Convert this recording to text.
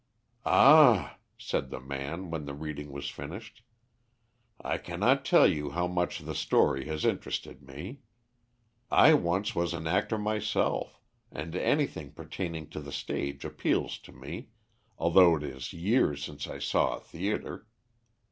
"Ah," said the man, when the reading was finished, "I cannot tell you how much the story has interested me. I once was an actor myself, and anything pertaining to the stage appeals to me, although it is years since I saw a theatre.